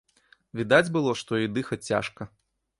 Відаць было, што ёй дыхаць цяжка.